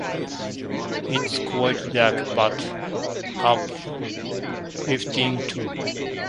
Its quite dark but uplifting too.